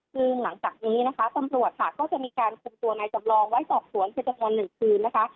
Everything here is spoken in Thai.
ซึ่งหลังจากนี้นะคะตำรวจค่ะก็จะมีการคุมตัวนายจำลองไว้สอบสวนเป็นจำนวน๑คืนนะคะ